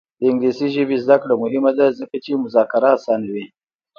د انګلیسي ژبې زده کړه مهمه ده ځکه چې مذاکره اسانوي.